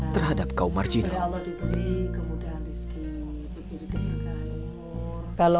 terhadap kaum marjinal